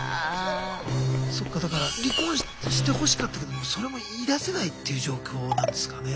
そっかだから離婚してほしかったけどそれも言いだせないっていう状況なんですかね。